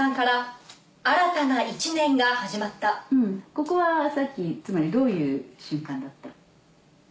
ここはさっきつまりどういう瞬間だった？